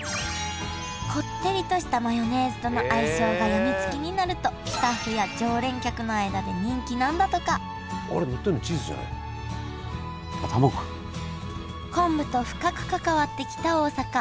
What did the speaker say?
こってりとしたマヨネーズとの相性が病みつきになるとスタッフや常連客の間で人気なんだとか昆布と深く関わってきた大阪。